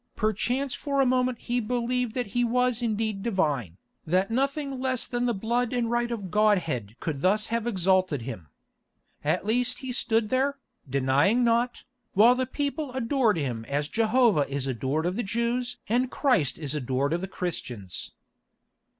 Perchance for a moment he believed that he was indeed divine, that nothing less than the blood and right of godhead could thus have exalted him. At least he stood there, denying naught, while the people adored him as Jehovah is adored of the Jews and Christ is adored of the Christians.